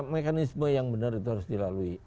mekanisme yang benar itu harus dilalui